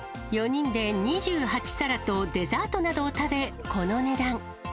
４人で、２８皿とデザートなどを食べ、この値段。